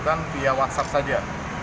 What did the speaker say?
mengajukan via whatsapp saja